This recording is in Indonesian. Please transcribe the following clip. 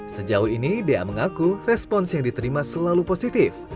sejauh ini dea mengaku respons yang diterima selalu positif